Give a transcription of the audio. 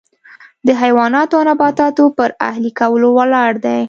د حیواناتو او نباتاتو پر اهلي کولو ولاړ دی.